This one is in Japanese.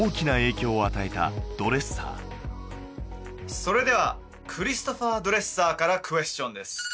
それではクリストファー・ドレッサーからクエスチョンです